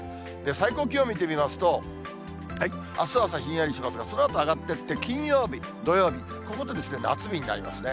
最高気温見てみますと、あすは朝、ひんやりしますが、そのあと上がっていって、金曜日、土曜日、ここで夏日になりますね。